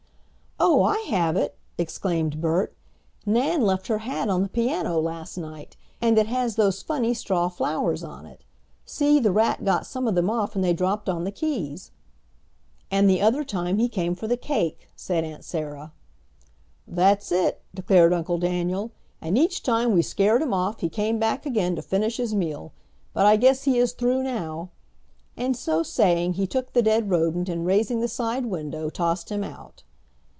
"Oh, I have it!" exclaimed Bert. "Nan left her hat on the piano last night, and it has those funny straw flowers on it. See, the rat got some of them off and they dropped on the keys." "And the other time he came for the cake," said Aunt Sarah. "That's it," declared Uncle Daniel, "and each time we scared him off he came back again to finish his meal. But I guess he is through now," and so saying he took the dead rodent and raising the side window tossed him out.